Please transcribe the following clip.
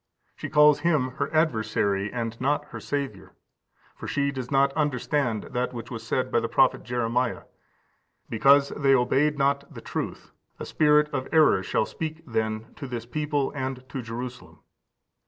She calls Him her adversary, and not her Saviour; for she does not understand that which was said by the prophet Jeremiah: "Because they obeyed not the truth, a spirit of error shall speak then to this people and to Jerusalem."